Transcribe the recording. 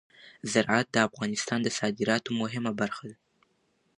زراعت د افغانستان د صادراتو مهمه برخه ده.